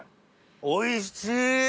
おいしい！